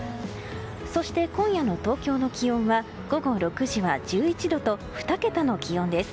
そして、今夜の東京の気温は午後６時は１１度と２桁の気温です。